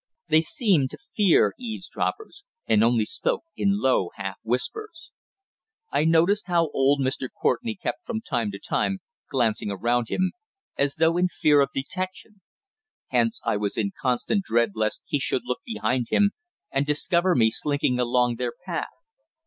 They seemed to fear eavesdroppers, and only spoke in low half whispers. I noticed how old Mr. Courtenay kept from time to time glancing around him, as though in fear of detection; hence I was in constant dread lest he should look behind him and discover me slinking along their path.